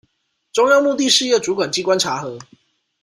中央目的事業主管機關查核